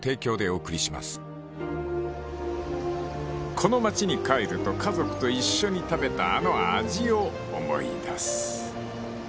［この町に帰ると家族と一緒に食べたあの味を思い出す］